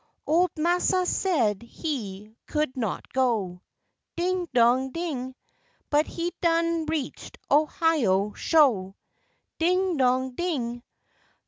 Ole massa said he could not go, Ding, Dong, Ding. But he's done reached Ohio sho'. Ding, Dong, Ding.